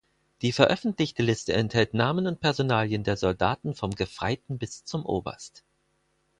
Die veröffentlichte Liste enthält Namen und Personalien der Soldaten vom Gefreiten bis zum Oberst.